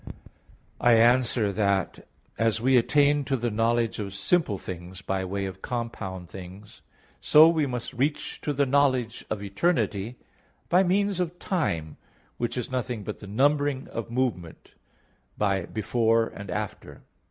I answer that, As we attain to the knowledge of simple things by way of compound things, so must we reach to the knowledge of eternity by means of time, which is nothing but the numbering of movement by before and _after.